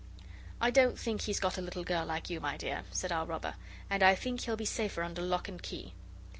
'I don't think he's got a little girl like you, my dear,' said our robber, 'and I think he'll be safer under lock and key.